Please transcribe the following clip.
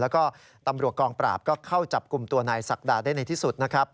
แล้วก็ตำรวจกองปราบก็เข้าจับกลุ่มตัวนายศักดาได้ในที่สุดนะครับ